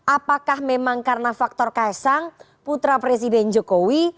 apakah memang karena faktor kaesang putra presiden jokowi